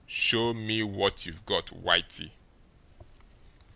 Show me what you've got, Whitey?"